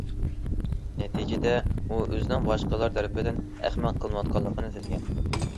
نەتىجىدە ئۇ ئۆزىنىڭ باشقىلار تەرىپىدىن ئەخمەق قىلىنىۋاتقانلىقىنى سەزگەن.